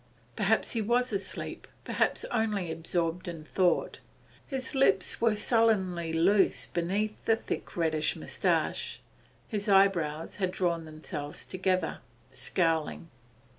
Perhaps he was asleep, perhaps only absorbed in thought. His lips were sullenly loose beneath the thick reddish moustache his eyebrows had drawn themselves together, scowling.